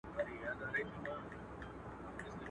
لمر په دوو گوتو نه پټېږي.